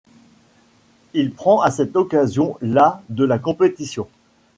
Il prend à cette occasion la de la compétition.